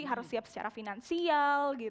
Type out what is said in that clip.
harus siap secara finansial